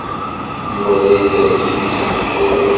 Yuba la yettergigi seg lḥir.